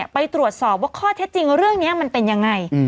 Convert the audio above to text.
ไปตรวจสอบว่าข้อเท็จจริงเรื่องนี้มันเป็นยังไง